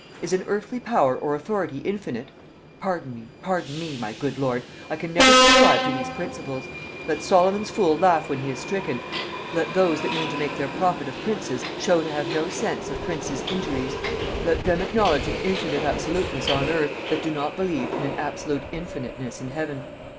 Is an earthly power or authority infinite? Pardon me, pardon me, my good lord, I can never subscribe to these principles. Let Solomon's fool laugh when he is stricken; let those that mean to make their profit of princes, show to have no sense of princes' injuries; let them acknowledge an infinite absoluteness on earth, that do not believe in an absolute infiniteness in heaven.